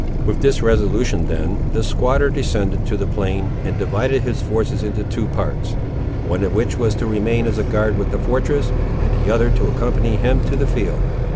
With this resolution, then, the squatter descended to the plain and divided his forces into two parts, one of which was to remain as a guard with the fortress, and the other to accompany him to the field.